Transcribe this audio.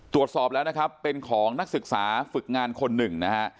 ตรวจสอบแล้วนะครับเป็นของนักศึกษาฝึกงานคนหนึ่งนะฮะ